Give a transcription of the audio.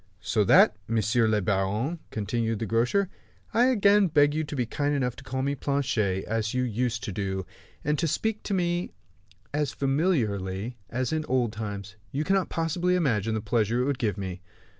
"So that, monsieur le baron," continued the grocer, "I again beg you to be kind enough to call me Planchet, as you used to do; and to speak to me as familiarly as in old times. You cannot possibly imagine the pleasure it would give me."